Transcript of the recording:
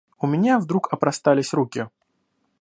У меня вдруг опростались руки.